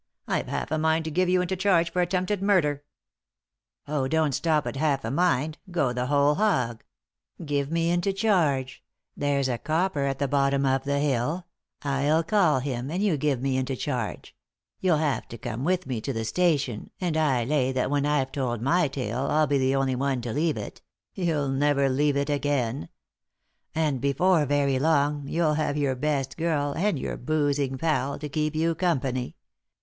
I've half a mind to give you into charge for attempted murder." 274 3i 9 iii^d by Google THE INTERRUPTED KISS "Oh, don't stop at half a mind — go the whole hog I Give me into charge t There's a copper at the bottom of the hill— 111 call him, and you give me into charge I You'll have to come with me to the station, and I lay that when I've told my tale 111 be the only one to leave it — you'll never leave it again. And before very long you'll have your best girl, and your boozing pal, to keep you company.